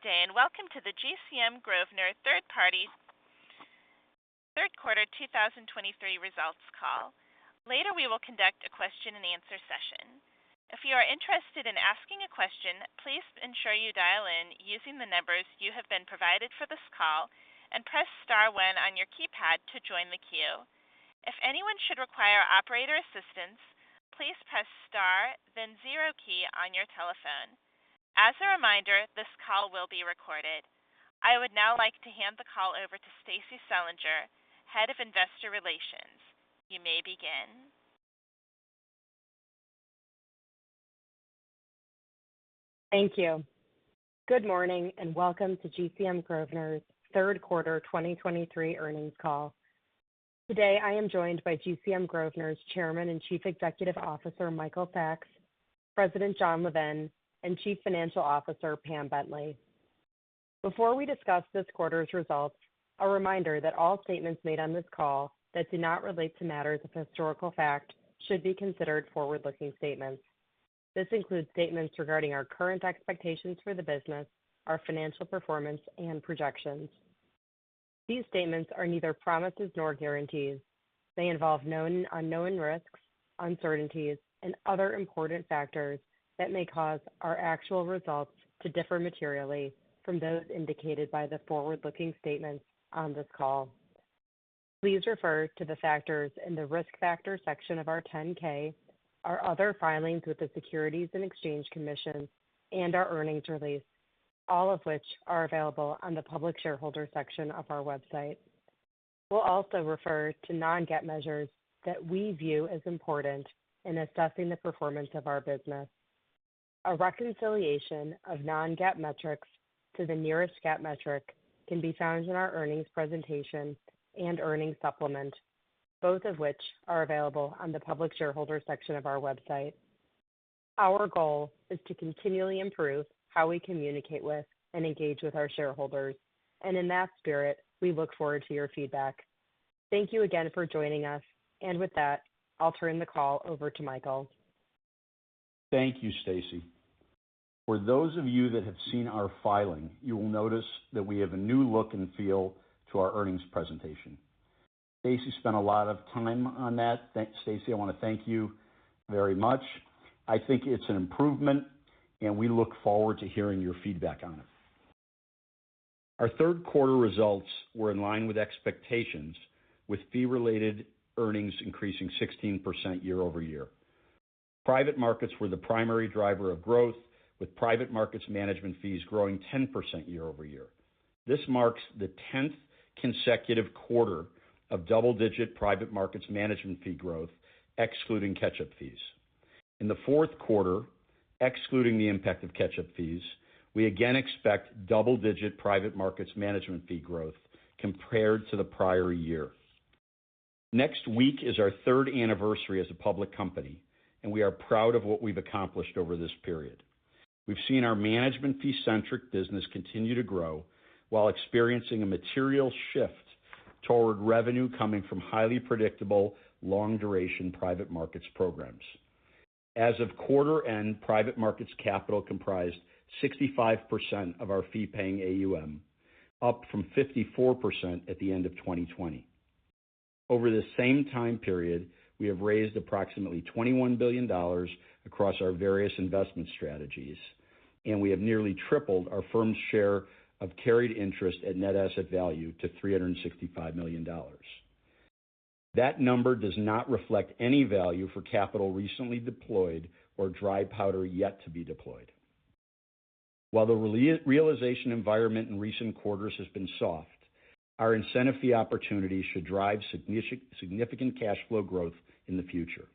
Good day, and welcome to the GCM Grosvenor Third Quarter 2023 results call. Later, we will conduct a question-and-answer session. If you are interested in asking a question, please ensure you dial in using the numbers you have been provided for this call, and press Star One on your keypad to join the queue. If anyone should require operator assistance, please press Star, then zero key on your telephone. As a reminder, this call will be recorded. I would now like to hand the call over to Stacie Selinger, Head of Investor Relations. You may begin. Thank you. Good morning, and welcome to GCM Grosvenor's third quarter 2023 earnings call. Today, I am joined by GCM Grosvenor's Chairman and Chief Executive Officer, Michael Sacks, President Jonathan Levin, and Chief Financial Officer Pam Bentley. Before we discuss this quarter's results, a reminder that all statements made on this call that do not relate to matters of historical fact should be considered forward-looking statements. This includes statements regarding our current expectations for the business, our financial performance, and projections. These statements are neither promises nor guarantees. They involve known and unknown risks, uncertainties, and other important factors that may cause our actual results to differ materially from those indicated by the forward-looking statements on this call. Please refer to the factors in the Risk Factors section of our 10-K, our other filings with the Securities and Exchange Commission, and our earnings release, all of which are available on the Public Shareholders section of our website. We'll also refer to non-GAAP measures that we view as important in assessing the performance of our business. A reconciliation of non-GAAP metrics to the nearest GAAP metric can be found in our earnings presentation and earnings supplement, both of which are available on the Public Shareholders section of our website. Our goal is to continually improve how we communicate with and engage with our shareholders, and in that spirit, we look forward to your feedback. Thank you again for joining us, and with that, I'll turn the call over to Michael. Thank you, Stacie. For those of you that have seen our filing, you will notice that we have a new look and feel to our earnings presentation. Stacie spent a lot of time on that. Thanks, Stacie. I want to thank you very much. I think it's an improvement, and we look forward to hearing your feedback on it. Our third quarter results were in line with expectations, with fee-related earnings increasing 16% year-over-year. Private markets were the primary driver of growth, with private markets management fees growing 10% year-over-year. This marks the 10th consecutive quarter of double-digit private markets management fee growth, excluding catch-up fees. In the fourth quarter, excluding the impact of catch-up fees, we again expect double-digit private markets management fee growth compared to the prior year. Next week is our third anniversary as a public company, and we are proud of what we've accomplished over this period. We've seen our management fee-centric business continue to grow while experiencing a material shift toward revenue coming from highly predictable, long-duration private markets programs. As of quarter end, private markets capital comprised 65% of our fee-paying AUM, up from 54% at the end of 2020. Over the same time period, we have raised approximately $21 billion across our various investment strategies, and we have nearly tripled our firm's share of carried interest at net asset value to $365 million. That number does not reflect any value for capital recently deployed or dry powder yet to be deployed. While the realization environment in recent quarters has been soft, our incentive fee opportunity should drive significant cash flow growth in the future.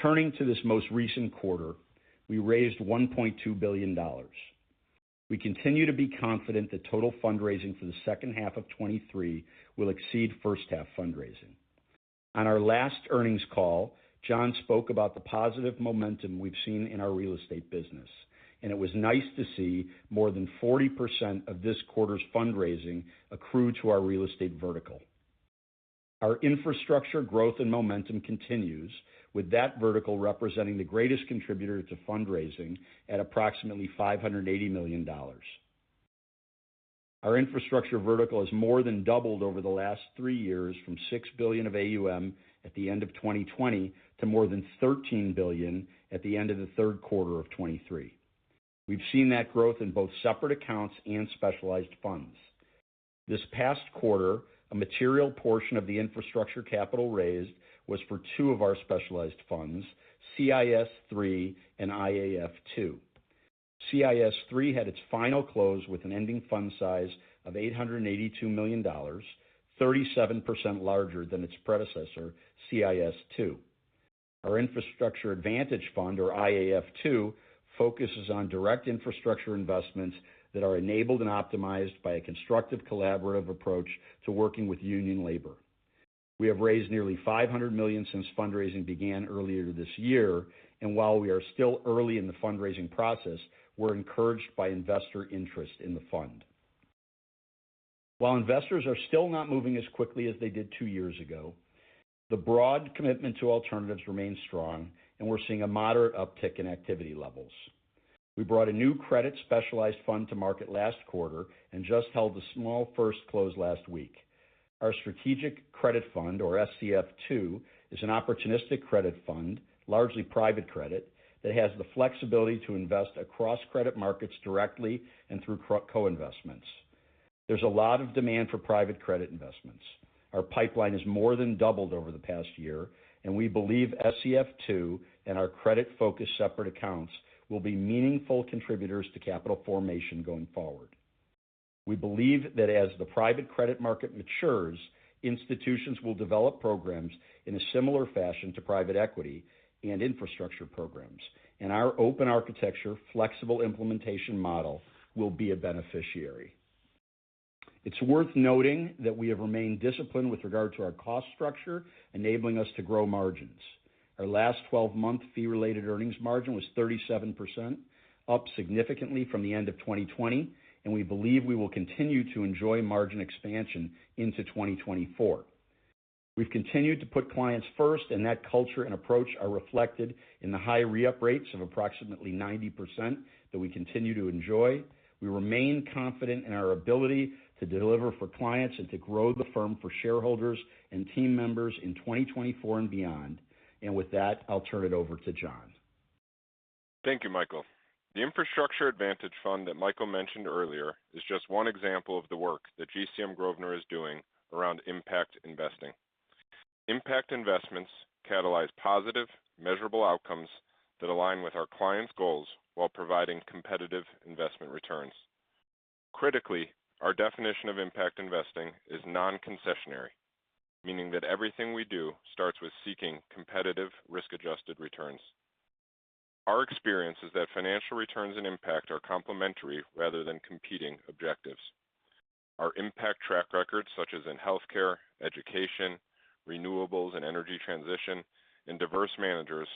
Turning to this most recent quarter, we raised $1.2 billion. We continue to be confident that total fundraising for the second half of 2023 will exceed first half fundraising. On our last earnings call, Jon spoke about the positive momentum we've seen in our real estate business, and it was nice to see more than 40% of this quarter's fundraising accrue to our real estate vertical. Our infrastructure growth and momentum continues, with that vertical representing the greatest contributor to fundraising at approximately $580 million. Our infrastructure vertical has more than doubled over the last three years from $6 billion of AUM at the end of 2020 to more than $13 billion at the end of the third quarter of 2023. We've seen that growth in both separate accounts and specialized funds. This past quarter, a material portion of the infrastructure capital raised was for two of our specialized funds, CIS-III and IAF-2. CIS-III had its final close with an ending fund size of $882 million, 37% larger than its predecessor, CIS-II. Our Infrastructure Advantage Fund, or IAF-2, focuses on direct infrastructure investments that are enabled and optimized by a constructive, collaborative approach to working with union labor. We have raised nearly $500 million since fundraising began earlier this year, and while we are still early in the fundraising process, we're encouraged by investor interest in the fund.... While investors are still not moving as quickly as they did two years ago, the broad commitment to alternatives remains strong, and we're seeing a moderate uptick in activity levels. We brought a new credit specialized fund to market last quarter and just held a small first close last week. Our Strategic Credit Fund, or SCF II, is an opportunistic credit fund, largely private credit, that has the flexibility to invest across credit markets directly and through co-investments. There's a lot of demand for private credit investments. Our pipeline has more than doubled over the past year, and we believe SCF II and our credit-focused separate accounts will be meaningful contributors to capital formation going forward. We believe that as the private credit market matures, institutions will develop programs in a similar fashion to private equity and infrastructure programs, and our open architecture, flexible implementation model will be a beneficiary. It's worth noting that we have remained disciplined with regard to our cost structure, enabling us to grow margins. Our last 12-month Fee-Related Earnings margin was 37%, up significantly from the end of 2020, and we believe we will continue to enjoy margin expansion into 2024. We've continued to put clients first, and that culture and approach are reflected in the high re-up rates of approximately 90% that we continue to enjoy. We remain confident in our ability to deliver for clients and to grow the firm for shareholders and team members in 2024 and beyond. With that, I'll turn it over to Jon. Thank you, Michael. The Infrastructure Advantage Fund that Michael mentioned earlier is just one example of the work that GCM Grosvenor is doing around impact investing. Impact investments catalyze positive, measurable outcomes that align with our clients' goals while providing competitive investment returns. Critically, our definition of impact investing is non-concessionary, meaning that everything we do starts with seeking competitive, risk-adjusted returns. Our experience is that financial returns and impact are complementary rather than competing objectives. Our impact track record, such as in healthcare, education, renewables and energy transition, and diverse managers,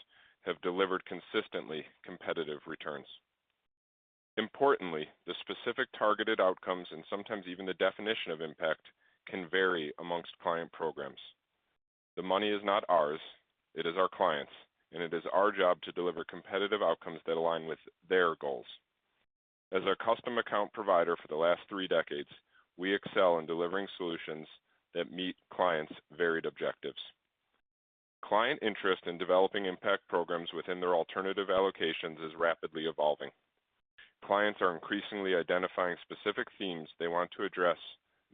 have delivered consistently competitive returns. Importantly, the specific targeted outcomes and sometimes even the definition of impact, can vary among client programs. The money is not ours, it is our clients', and it is our job to deliver competitive outcomes that align with their goals. As our custom account provider for the last three decades, we excel in delivering solutions that meet clients' varied objectives. Client interest in developing impact programs within their alternative allocations is rapidly evolving. Clients are increasingly identifying specific themes they want to address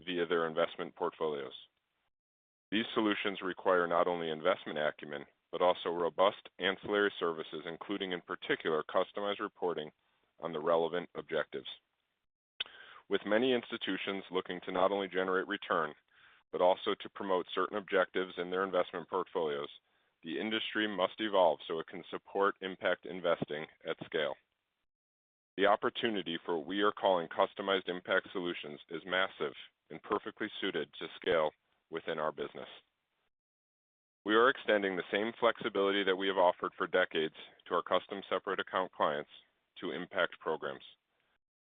via their investment portfolios. These solutions require not only investment acumen, but also robust ancillary services, including, in particular, customized reporting on the relevant objectives. With many institutions looking to not only generate return, but also to promote certain objectives in their investment portfolios, the industry must evolve so it can support impact investing at scale. The opportunity for what we are calling customized impact solutions is massive and perfectly suited to scale within our business. We are extending the same flexibility that we have offered for decades to our custom separate account clients to impact programs.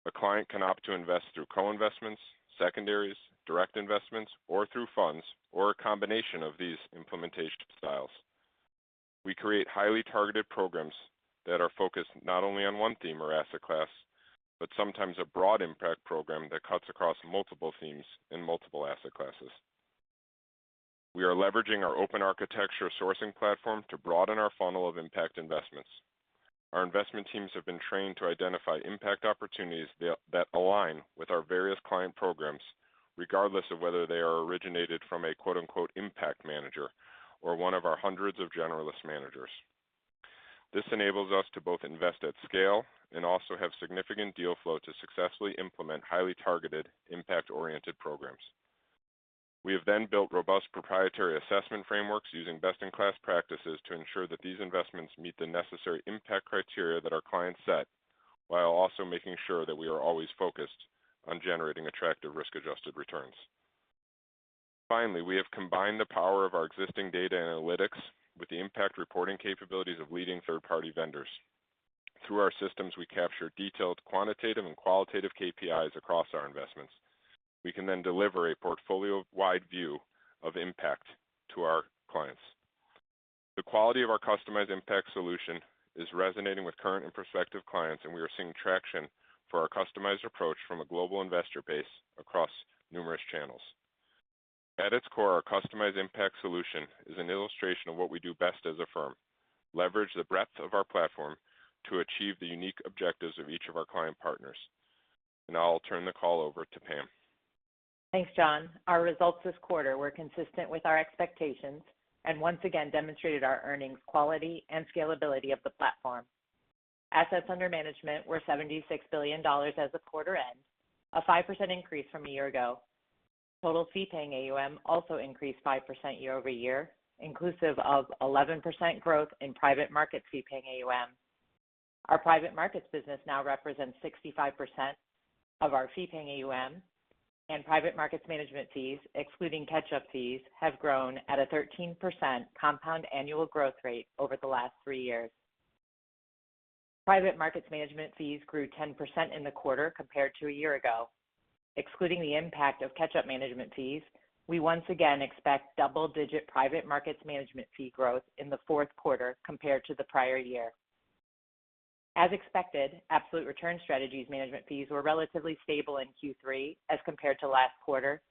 A client can opt to invest through co-investments, secondaries, direct investments, or through funds, or a combination of these implementation styles. We create highly targeted programs that are focused not only on one theme or asset class, but sometimes a broad impact program that cuts across multiple themes and multiple asset classes. We are leveraging our Open Architecture sourcing platform to broaden our funnel of impact investments. Our investment teams have been trained to identify impact opportunities that align with our various client programs, regardless of whether they are originated from a, quote, unquote, "impact manager" or one of our hundreds of generalist managers. This enables us to both invest at scale and also have significant deal flow to successfully implement highly targeted, impact-oriented programs. We have then built robust proprietary assessment frameworks using best-in-class practices to ensure that these investments meet the necessary impact criteria that our clients set, while also making sure that we are always focused on generating attractive risk-adjusted returns. Finally, we have combined the power of our existing data analytics with the impact reporting capabilities of leading third-party vendors. Through our systems, we capture detailed, quantitative, and qualitative KPIs across our investments. We can then deliver a portfolio-wide view of impact to our clients. The quality of our customized impact solution is resonating with current and prospective clients, and we are seeing traction for our customized approach from a global investor base across numerous channels. At its core, our customized impact solution is an illustration of what we do best as a firm: leverage the breadth of our platform to achieve the unique objectives of each of our client partners. Now I'll turn the call over to Pam. Thanks, Jon. Our results this quarter were consistent with our expectations and once again demonstrated our earnings, quality, and scalability of the platform. Assets under management were $76 billion as the quarter ends, a 5% increase from a year ago. Total fee-paying AUM also increased 5% year-over-year, inclusive of 11% growth in private markets fee-paying AUM. Our private markets business now represents 65% of our fee-paying AUM, and private markets management fees, excluding catch-up fees, have grown at a 13% compound annual growth rate over the last three years.... Private markets management fees grew 10% in the quarter compared to a year ago. Excluding the impact of catch-up management fees, we once again expect double-digit private markets management fee growth in the fourth quarter compared to the prior year. As expected, Absolute Return Strategies management fees were relatively stable in Q3 as compared to last quarter,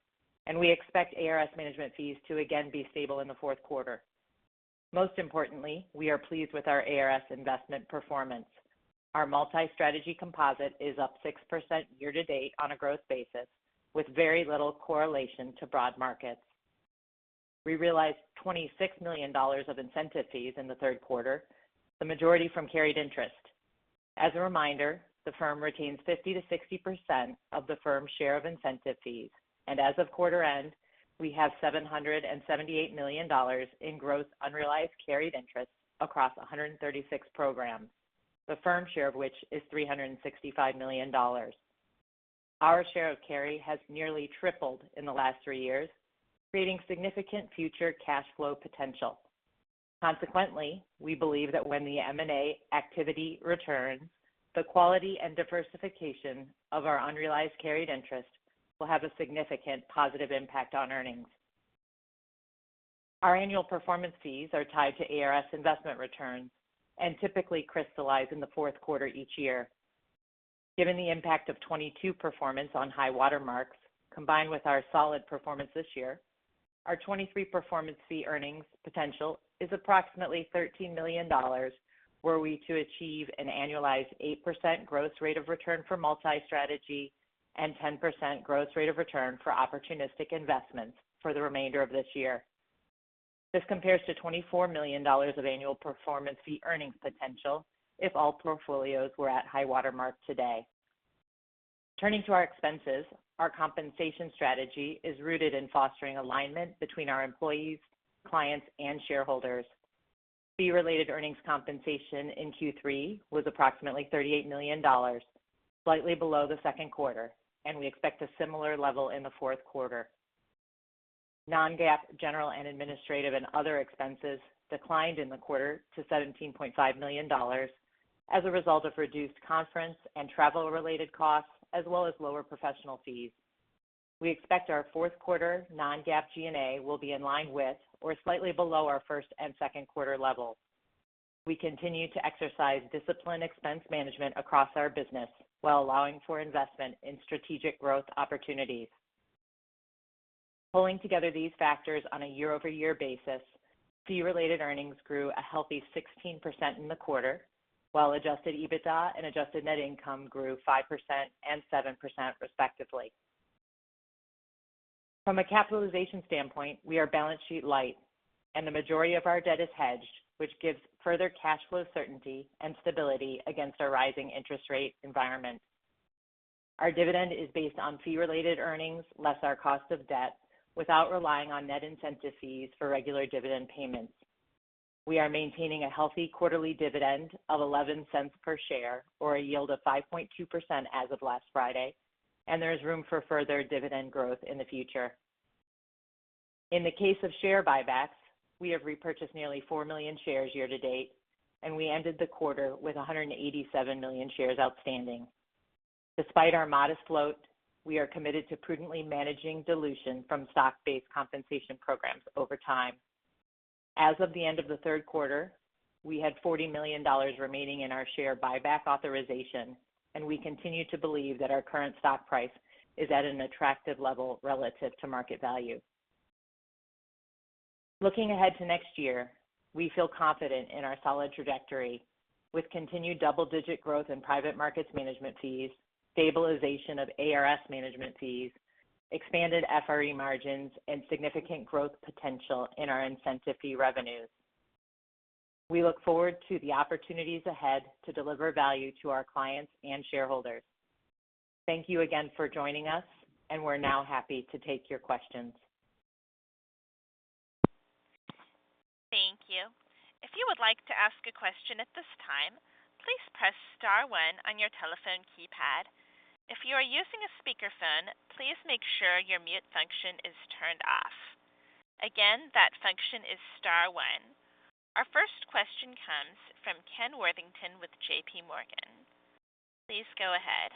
and we expect ARS management fees to again be stable in the fourth quarter. Most importantly, we are pleased with our ARS investment performance. Our multi-strategy composite is up 6% year-to-date on a gross basis, with very little correlation to broad markets. We realized $26 million of incentive fees in the third quarter, the majority from carried interest. As a reminder, the firm retains 50%-60% of the firm's share of incentive fees, and as of quarter end, we have $778 million in gross unrealized carried interest across 136 programs, the firm share of which is $365 million. Our share of carry has nearly tripled in the last three years, creating significant future cash flow potential. Consequently, we believe that when the M&A activity returns, the quality and diversification of our unrealized carried interest will have a significant positive impact on earnings. Our annual performance fees are tied to ARS investment returns and typically crystallize in the fourth quarter each year. Given the impact of 2022 performance on high watermarks, combined with our solid performance this year, our 2023 performance fee earnings potential is approximately $13 million, were we to achieve an annualized 8% gross rate of return for multi-strategy and 10% gross rate of return for opportunistic investments for the remainder of this year. This compares to $24 million of annual performance fee earnings potential if all portfolios were at high water mark today. Turning to our expenses, our compensation strategy is rooted in fostering alignment between our employees, clients, and shareholders. Fee-Related Earnings compensation in Q3 was approximately $38 million, slightly below the second quarter, and we expect a similar level in the fourth quarter. Non-GAAP general and administrative and other expenses declined in the quarter to $17.5 million as a result of reduced conference and travel-related costs, as well as lower professional fees. We expect our fourth quarter non-GAAP G&A will be in line with or slightly below our first and second quarter levels. We continue to exercise disciplined expense management across our business, while allowing for investment in strategic growth opportunities. Pulling together these factors on a year-over-year basis, Fee-Related Earnings grew a healthy 16% in the quarter, while Adjusted EBITDA and Adjusted Net Income grew 5% and 7%, respectively. From a capitalization standpoint, we are balance sheet light, and the majority of our debt is hedged, which gives further cash flow certainty and stability against our rising interest rate environment. Our dividend is based on fee-related earnings less our cost of debt, without relying on net incentive fees for regular dividend payments. We are maintaining a healthy quarterly dividend of $0.11 per share, or a yield of 5.2% as of last Friday, and there is room for further dividend growth in the future. In the case of share buybacks, we have repurchased nearly 4 million shares year-to-date, and we ended the quarter with 187 million shares outstanding. Despite our modest float, we are committed to prudently managing dilution from stock-based compensation programs over time. As of the end of the third quarter, we had $40 million remaining in our share buyback authorization, and we continue to believe that our current stock price is at an attractive level relative to market value. Looking ahead to next year, we feel confident in our solid trajectory with continued double-digit growth in private markets management fees, stabilization of ARS management fees, expanded FRE margins, and significant growth potential in our incentive fee revenues. We look forward to the opportunities ahead to deliver value to our clients and shareholders. Thank you again for joining us, and we're now happy to take your questions. Thank you. If you would like to ask a question at this time, please press Star one on your telephone keypad. If you are using a speakerphone, please make sure your mute function is turned off. Again, that function is Star one. Our first question comes from Ken Worthington with JPMorgan. Please go ahead.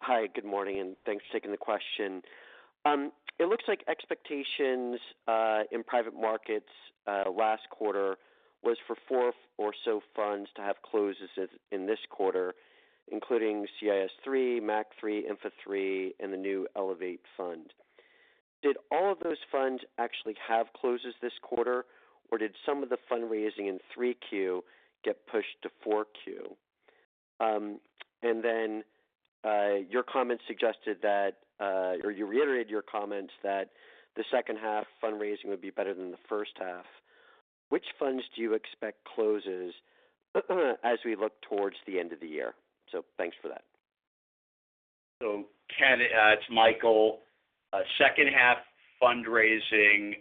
Hi, good morning, and thanks for taking the question. It looks like expectations in private markets last quarter was for four or so funds to have closes as in this quarter, including CIS III, MAC III, IAF III, and the new Elevate Fund. Did all of those funds actually have closes this quarter, or did some of the fundraising in 3Q get pushed to 4Q? And then, your comments suggested that, or you reiterated your comments that the second half fundraising would be better than the first half. Which funds do you expect closes, as we look towards the end of the year? So thanks for that. So Ken, it's Michael. Second half fundraising,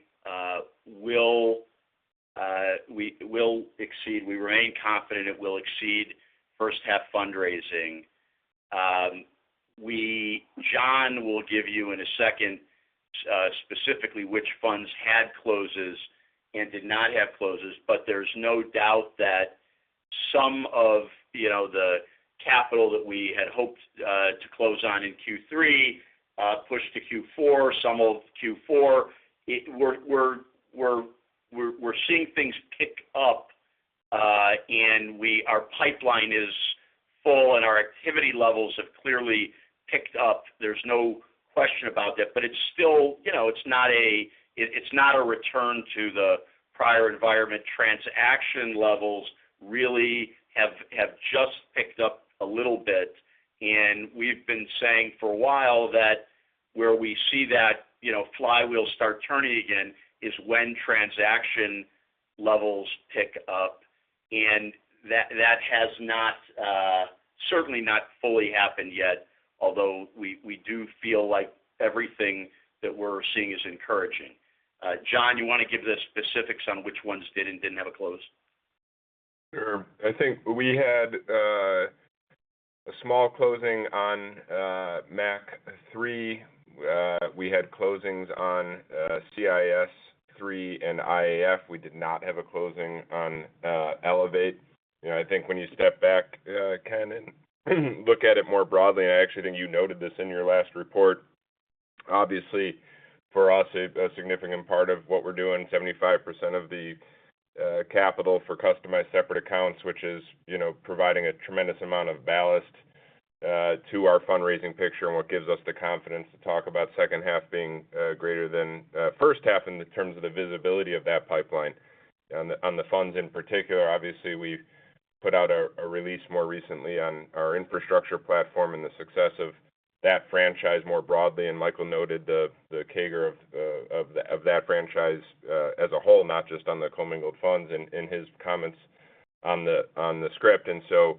we will exceed. We remain confident it will exceed first half fundraising.... We, Jonathan will give you in a second, specifically which funds had closes and did not have closes, but there's no doubt that some of, you know, the capital that we had hoped to close on in Q3, pushed to Q4, some of Q4. We're seeing things pick up, and our pipeline is full, and our activity levels have clearly picked up. There's no question about that, but it's still, you know, it's not a return to the prior environment. Transaction levels really have just picked up a little bit, and we've been saying for a while that where we see that, you know, flywheel start turning again, is when transaction levels pick up. That, that has not certainly not fully happened yet, although we, we do feel like everything that we're seeing is encouraging. Jon, you want to give the specifics on which ones did and didn't have a close? Sure. I think we had a small closing on MAC III. We had closings on CIS III and IAF. We did not have a closing on Elevate. You know, I think when you step back, Ken, and look at it more broadly, I actually think you noted this in your last report. Obviously, for us, a significant part of what we're doing, 75% of the capital for customized separate accounts, which is, you know, providing a tremendous amount of ballast to our fundraising picture and what gives us the confidence to talk about second half being greater than first half in the terms of the visibility of that pipeline. On the funds in particular, obviously, we've put out a release more recently on our infrastructure platform and the success of that franchise more broadly, and Michael noted the CAGR of that franchise as a whole, not just on the commingled funds, in his comments on the script, and so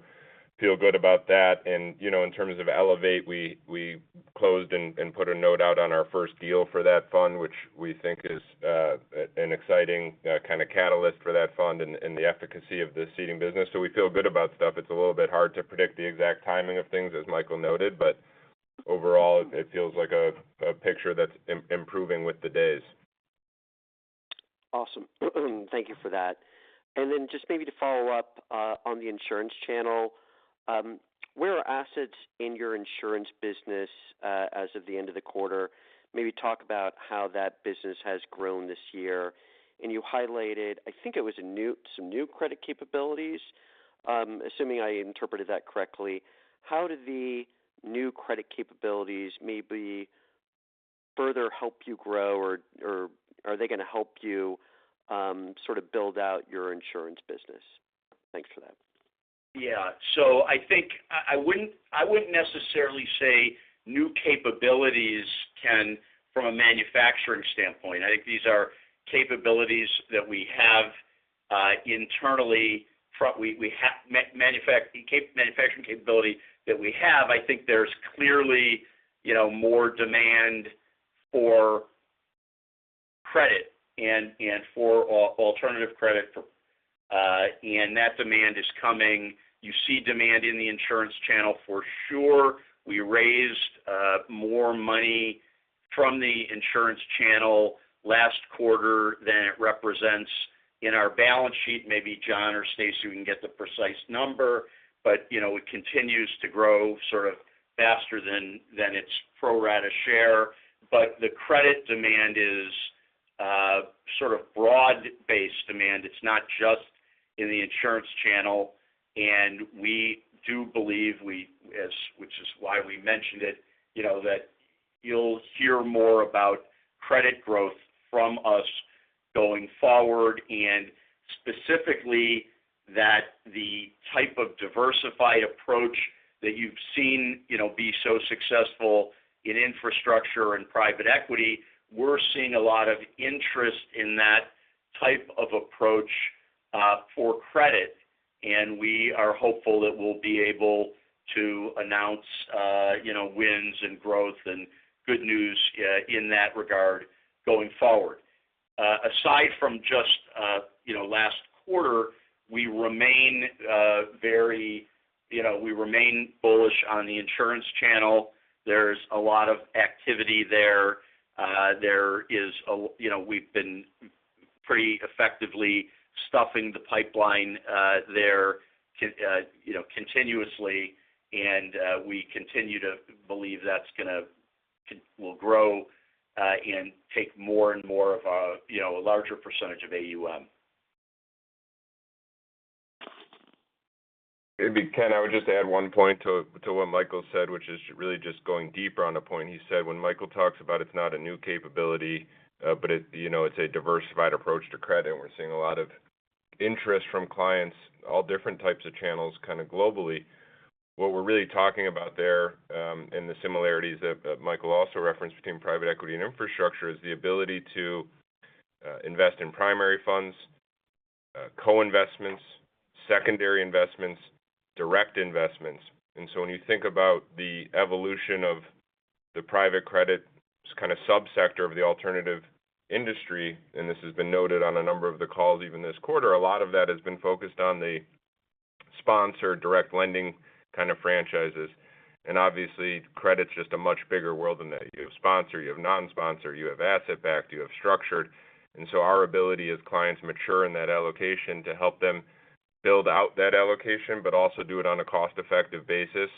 feel good about that. And, you know, in terms of Elevate, we closed and put a note out on our first deal for that fund, which we think is an exciting kind of catalyst for that fund and the efficacy of the seeding business. So we feel good about stuff. It's a little bit hard to predict the exact timing of things, as Michael noted, but overall, it feels like a picture that's improving with the days. Awesome. Thank you for that. Then just maybe to follow up on the insurance channel. Where are assets in your insurance business as of the end of the quarter? Maybe talk about how that business has grown this year. And you highlighted, I think it was a new—some new credit capabilities. Assuming I interpreted that correctly, how do the new credit capabilities maybe further help you grow, or are they going to help you sort of build out your insurance business? Thanks for that. Yeah. So I think I wouldn't necessarily say new capabilities. From a manufacturing standpoint, I think these are capabilities that we have internally, manufacturing capability that we have. I think there's clearly, you know, more demand for credit and for alternative credit, and that demand is coming. You see demand in the insurance channel for sure. We raised more money from the insurance channel last quarter than it represents in our balance sheet. Maybe Jon or Stacie can get the precise number, but, you know, it continues to grow sort of faster than its pro rata share. But the credit demand is sort of broad-based demand. It's not just in the insurance channel, and we do believe we, which is why we mentioned it, you know, that you'll hear more about credit growth from us going forward, and specifically, that the type of diversified approach that you've seen, you know, be so successful in infrastructure and private equity, we're seeing a lot of interest in that type of approach for credit, and we are hopeful that we'll be able to announce, you know, wins and growth and good news in that regard going forward. Aside from just, you know, last quarter, we remain very, you know, we remain bullish on the insurance channel. There's a lot of activity there. You know, we've been pretty effectively stuffing the pipeline, you know, continuously, and we continue to believe that's gonna will grow and take more and more of a, you know, a larger percentage of AUM. Maybe, Ken, I would just add one point to, to what Michael said, which is really just going deeper on a point he said. When Michael talks about it's not a new capability, but it, you know, it's a diversified approach to credit, we're seeing a lot of interest from clients, all different types of channels, kind of globally. What we're really talking about there, and the similarities that, Michael also referenced between private equity and infrastructure, is the ability to, invest in primary funds, co-investments, secondary investments, direct investments. And so when you think about the evolution of-... The private credit kind of subsector of the alternative industry, and this has been noted on a number of the calls, even this quarter, a lot of that has been focused on the sponsor, direct lending kind of franchises. And obviously, credit's just a much bigger world than that. You have sponsor, you have non-sponsor, you have asset-backed, you have structured. And so our ability as clients mature in that allocation, to help them build out that allocation, but also do it on a cost-effective basis,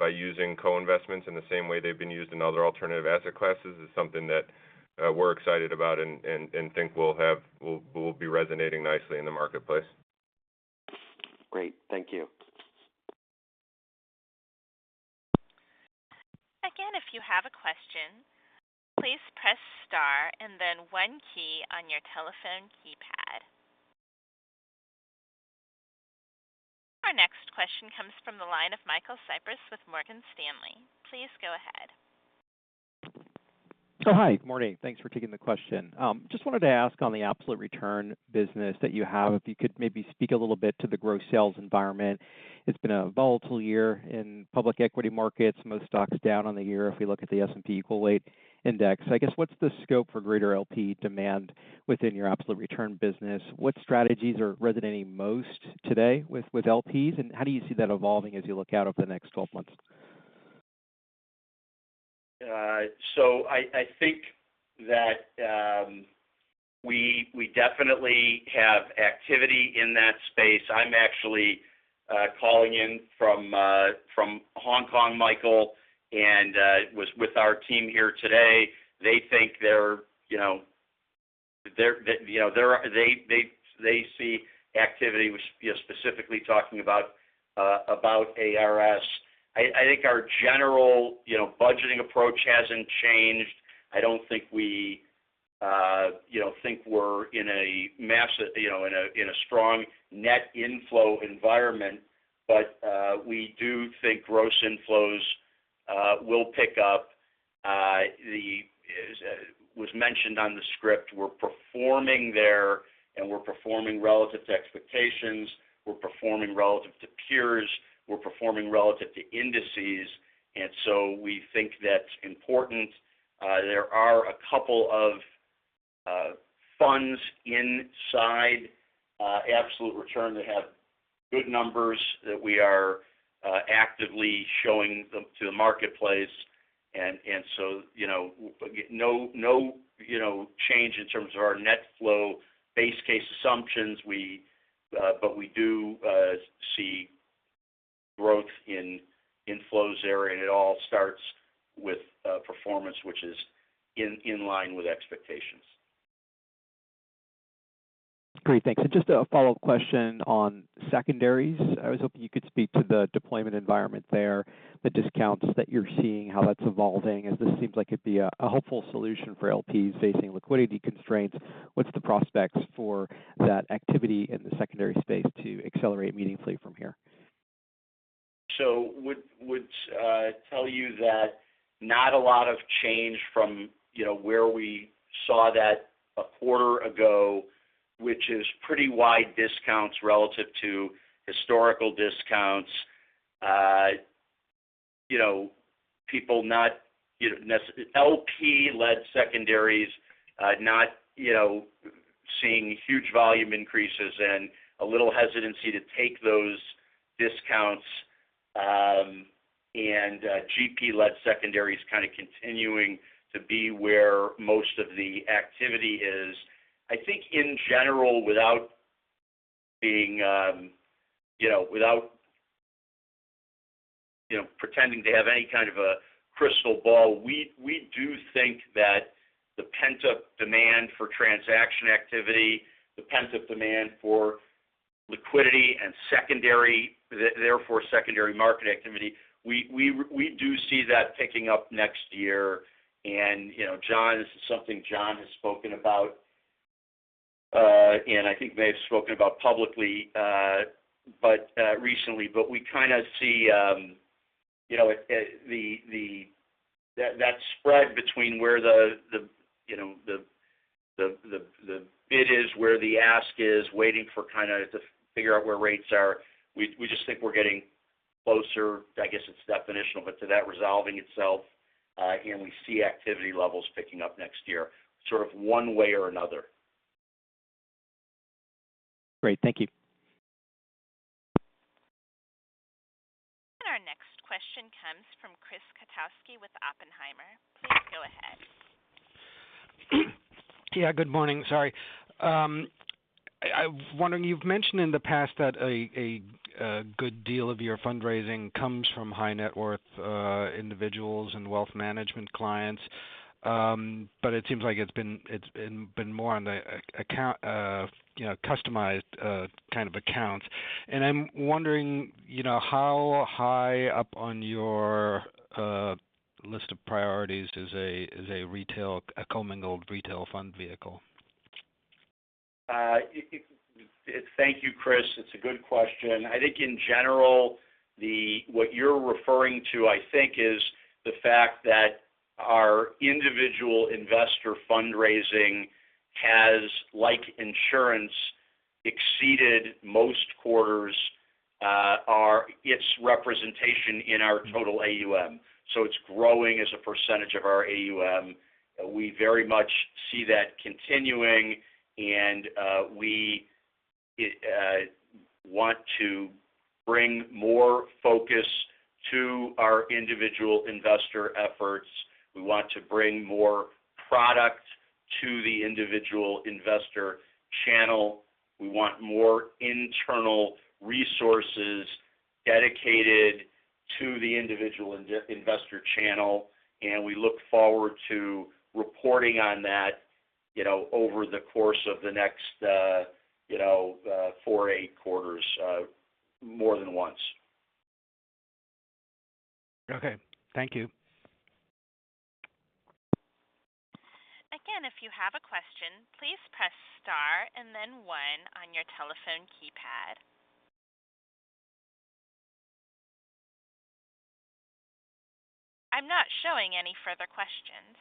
by using co-investments in the same way they've been used in other alternative asset classes, is something that, we're excited about and think will be resonating nicely in the marketplace. Great. Thank you. Again, if you have a question, please press star and then one key on your telephone keypad. Our next question comes from the line of Michael Cyprys with Morgan Stanley. Please go ahead. So hi, good morning. Thanks for taking the question. Just wanted to ask on the absolute return business that you have, if you could maybe speak a little bit to the gross sales environment. It's been a volatile year in public equity markets. Most stocks down on the year, if we look at the S&P Equal Weight Index. I guess, what's the scope for greater LP demand within your absolute return business? What strategies are resonating most today with, with LPs? And how do you see that evolving as you look out over the next twelve months? So I think that we definitely have activity in that space. I'm actually calling in from Hong Kong, Michael, and was with our team here today. They think they're, you know, they see activity, which. You know, specifically talking about ARS. I think our general, you know, budgeting approach hasn't changed. I don't think we, you know, think we're in a massive, you know, in a strong net inflow environment, but we do think gross inflows will pick up. As was mentioned on the script, we're performing there, and we're performing relative to expectations, we're performing relative to peers, we're performing relative to indices, and so we think that's important. There are a couple of funds inside Absolute Return that have good numbers that we are actively showing them to the marketplace. So, you know, no change in terms of our net flow base case assumptions. But we do see growth in inflows there, and it all starts with performance, which is in line with expectations. Great, thanks. And just a follow-up question on secondaries. I was hoping you could speak to the deployment environment there, the discounts that you're seeing, how that's evolving, as this seems like it'd be a helpful solution for LPs facing liquidity constraints. What's the prospects for that activity in the secondary space to accelerate meaningfully from here? So would tell you that not a lot of change from, you know, where we saw that a quarter ago, which is pretty wide discounts relative to historical discounts. You know, people not, you know, LP-led secondaries, not, you know, seeing huge volume increases and a little hesitancy to take those discounts, and GP-led secondaries kind of continuing to be where most of the activity is. I think in general, without being, you know, without, you know, pretending to have any kind of a crystal ball, we do think that the pent-up demand for transaction activity, the pent-up demand for liquidity and secondary, therefore, secondary market activity, we do see that picking up next year. And, you know, Jon, this is something Jon has spoken about, and I think may have spoken about publicly, but recently. But we kinda see, you know, that spread between where the, you know, the bid is, where the ask is, waiting for kinda to figure out where rates are. We just think we're getting closer, I guess it's definitional, but to that resolving itself, and we see activity levels picking up next year, sort of one way or another. Great. Thank you. Our next question comes from Chris Kotowski with Oppenheimer. Please go ahead. Yeah, good morning. Sorry. I'm wondering, you've mentioned in the past that a good deal of your fundraising comes from high-net-worth individuals and wealth management clients, but it seems like it's been more on the account, you know, customized kind of accounts. And I'm wondering, you know, how high up on your list of priorities is a retail, a commingled retail fund vehicle? Thank you, Chris. It's a good question. I think in general, what you're referring to, I think, is the fact that our individual investor fundraising has, like insurance, exceeded most quarters, its representation in our total AUM. So it's growing as a percentage of our AUM. We very much see that continuing, and we want to bring more focus to our individual investor efforts. We want to bring more product to the individual investor channel. We want more internal resources dedicated to the individual investor channel, and we look forward to reporting on that, you know, over the course of the next, you know, four to eight quarters, more than once. Okay, thank you. Again, if you have a question, please press star and then one on your telephone keypad. I'm not showing any further questions.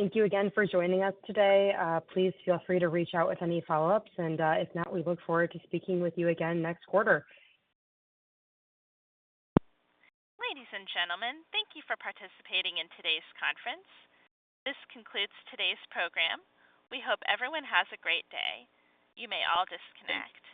Thank you again for joining us today. Please feel free to reach out with any follow-ups, and, if not, we look forward to speaking with you again next quarter. Ladies and gentlemen, thank you for participating in today's conference. This concludes today's program. We hope everyone has a great day. You may all disconnect.